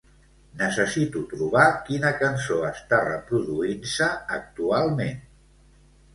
Necessito trobar quina cançó està reproduint-se actualment.